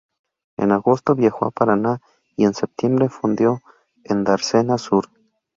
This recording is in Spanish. En agosto viajó a Paraná y en septiembre fondeó en Dársena Sur.